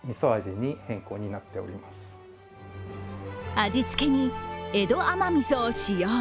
味付けに江戸甘味噌を使用。